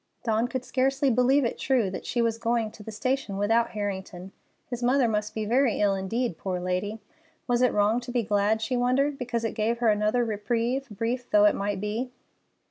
Dawn could scarcely believe it true that she was going to the station without Harrington. His mother must be very ill indeed, poor lady! Was it wrong to be glad, she wondered, because it gave her another reprieve, brief though it might be?